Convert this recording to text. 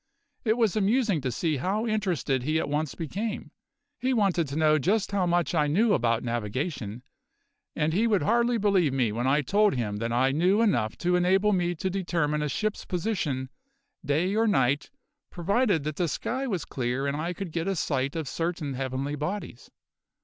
It was amusing to see how interested he at once became; he wanted to know just how much I knew about navigation; and he would hardly believe me when I told him that I knew enough to enable me to determine a ship's position, day or night, provided that the sky was clear and I could get a sight of certain heavenly bodies.